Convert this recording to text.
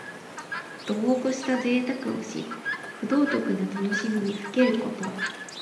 度をこしたぜいたくをし、不道徳な楽しみにふけること。